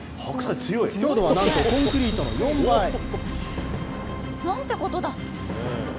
強度はなんとコンクリートのなんてことだ。